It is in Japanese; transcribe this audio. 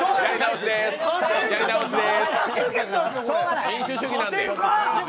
やり直しです